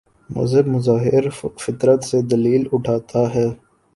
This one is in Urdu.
مذہب مظاہر فطرت سے دلیل اٹھاتا ہے۔